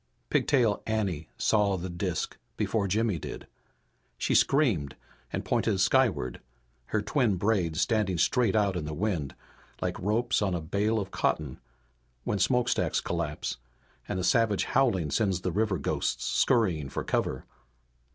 Pigtail Anne saw the disk before Jimmy did. She screamed and pointed skyward, her twin braids standing straight out in the wind like the ropes on a bale of cotton, when smokestacks collapse and a savage howling sends the river ghosts scurrying for cover.